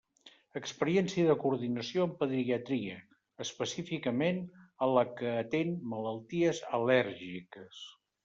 Experiència de coordinació amb pediatria, específicament amb la que atén malalties al·lèrgiques.